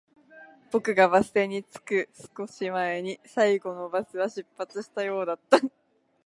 僕がバス停に着く少し前に、最後のバスは出発したようだった